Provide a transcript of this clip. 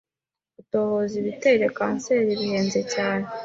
Gutohoza ibitera kanseri bihenze cyane.